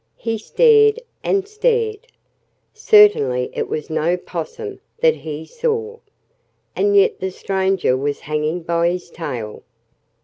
He stared and stared. Certainly it was no 'possum that he saw. And yet the stranger was hanging by his tail.